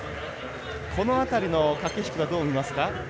このあたりの駆け引きはどう見ますか？